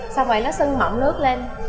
xong rồi nó sưng mỏng nước lên